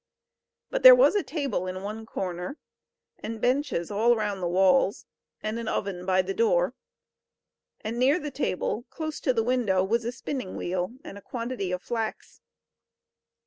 But there was a table in one corner, and benches all round the walls, and an oven by the door. And near the table, close to the window, was a spinning wheel, and a quantity of flax.